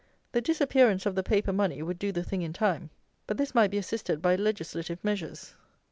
The disappearance of the paper money would do the thing in time; but this might be assisted by legislative measures.